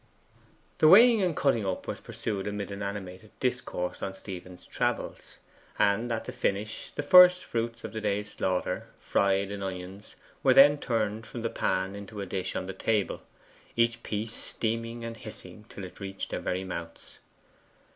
The weighing and cutting up was pursued amid an animated discourse on Stephen's travels; and at the finish, the first fruits of the day's slaughter, fried in onions, were then turned from the pan into a dish on the table, each piece steaming and hissing till it reached their very mouths.